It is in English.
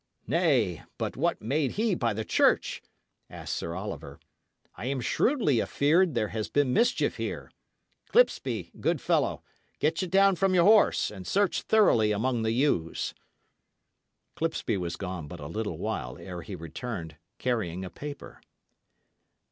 "Nay, but what made he by the church?" asked Sir Oliver. "I am shrewdly afeared there has been mischief here. Clipsby, good fellow, get ye down from your horse, and search thoroughly among the yews." Clipsby was gone but a little while ere he returned carrying a paper.